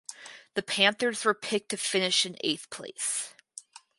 The Panthers were picked to finish in eighth place.